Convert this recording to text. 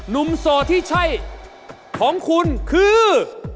โสดที่ใช่ของคุณคือ